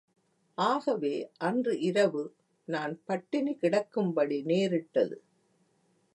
ஆகவே, அன்று இரவு நான் பட்டினி கிடக்கும்படி நேரிட்டது.